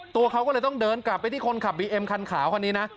ตัวเขาก็เลยต้องเดินกลับไปที่คนขับบีเอ็มคันขาวคันนี้นะ